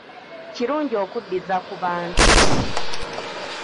Kirungi okuddiza ku bantu.